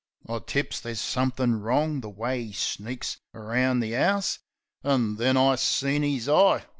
I tips there's somethin' wrong, the way 'e sneaks around the 'ouse. An' then I seen 'is eye.